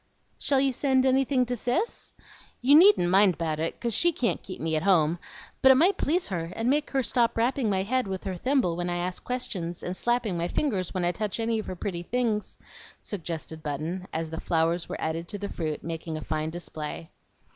"Shall you send anything to Cis? You needn't mind about it, 'cause she can't keep me at home, but it might please her, and make her stop rapping my head with her thimble when I ask questions, and slapping my fingers when I touch any of her pretty things," suggested Button, as the flowers were added to the fruit, making a fine display.